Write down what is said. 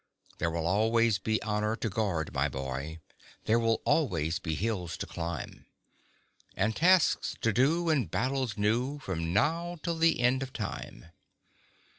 There will always be honor to guard, my boy; There will always be hills to climb, And tasks to do, and battles new From now till the end of time.